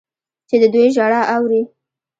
چې د دوی ژړا اوري.